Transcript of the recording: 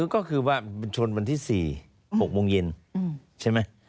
ก็คือว่าโฉลวันที่๔อยู่ใช่ไหม